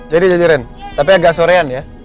jadi jadi ren tapi agak sorean ya